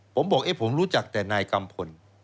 ผมบอกผมรู้จักแต่นายกัมพล